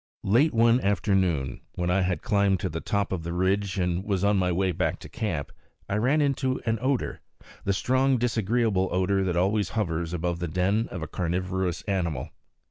Late one afternoon, when I had climbed to the top of the ridge and was on my way back to camp, I ran into an odor, the strong, disagreeable odor that always hovers about the den of a carnivorous animal.